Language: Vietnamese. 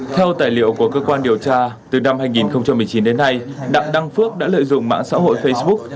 theo tài liệu của cơ quan điều tra từ năm hai nghìn một mươi chín đến nay đặng đăng phước đã lợi dụng mạng xã hội facebook